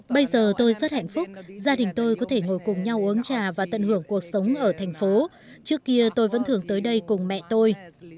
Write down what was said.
bây giờ tôi rất hạnh phúc gia đình tôi có thể ngồi cùng nhau uống trà và tận hưởng cuộc sống ở thành phố trước kia tôi vẫn thường tới đây cùng mẹ tôi